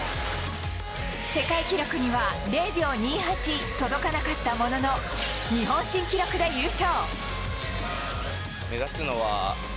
世界記録には０秒２８届かなかったものの日本新記録で優勝。